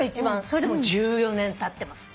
それでも１４年たってます。